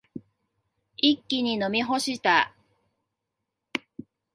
一気に飲み干した。